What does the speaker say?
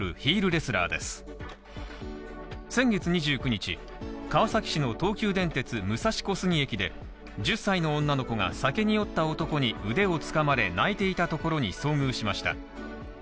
先月２９日、川崎市の東急電鉄・武蔵小杉駅で１０歳の女の子が酒に酔った男に腕をつかまれ泣いていたところに遭遇しました。